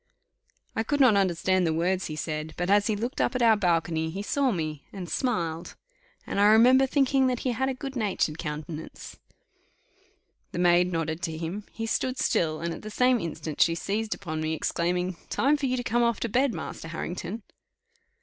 I could not understand the words he said, but as he looked up at our balcony he saw me smiled and I remember thinking that he had a good natured countenance. The maid nodded to him; he stood still, and at the same instant she seized upon me, exclaiming, "Time for you to come off to bed, Master Harrington."